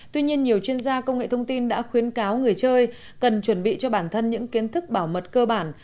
tuy nhiên nhiều chuyên gia công nghệ thông tin đã khuyến cáo người chơi cần chuẩn bị cho bản thân những kiến thức bảo mật cơ bản